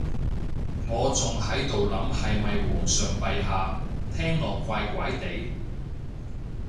我仲喺度諗係咪皇上陛下，聽落怪怪哋